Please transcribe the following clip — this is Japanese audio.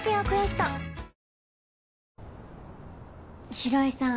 城井さん